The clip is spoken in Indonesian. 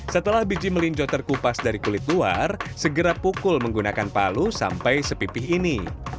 setelah biji melinjo terkupas dari kulit luar segera pukul menggunakan palu sampai sepipih ini